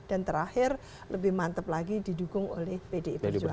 dan terakhir lebih mantep lagi didukung oleh bdi perjuangan